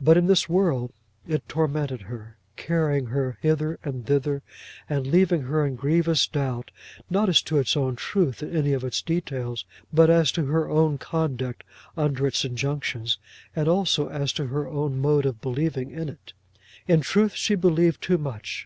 But in this world it tormented her, carrying her hither and thither, and leaving her in grievous doubt, not as to its own truth in any of its details, but as to her own conduct under its injunctions, and also as to her own mode of believing in it. In truth she believed too much.